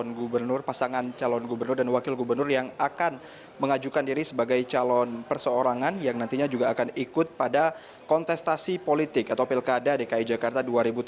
calon gubernur pasangan calon gubernur dan wakil gubernur yang akan mengajukan diri sebagai calon perseorangan yang nantinya juga akan ikut pada kontestasi politik atau pilkada dki jakarta dua ribu tujuh belas